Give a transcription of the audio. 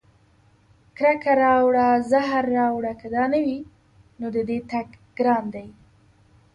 کرکه راوړه زهر راوړه که دا نه وي، نو د دې تګ ګران دی